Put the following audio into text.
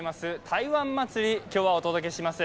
台湾祭、今日はお届けします。